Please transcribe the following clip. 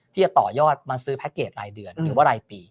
ที่จะต่อยอดมาซื้อแพ็คเกจรายเดือนหรือว่ารายปี